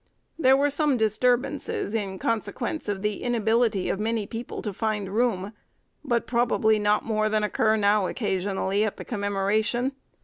There were some disturbances, in consequence of the inability of many people to find room, but probably not more than occur now occasionally at the Commemoration.